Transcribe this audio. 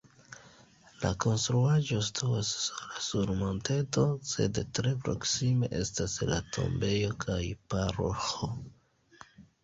La konstruaĵo situas sola sur monteto, sed tre proksime estas la tombejo kaj paroĥo.